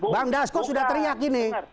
bang das kok sudah teriak gini